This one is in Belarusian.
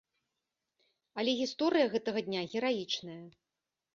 Але гісторыя гэтага дня гераічная.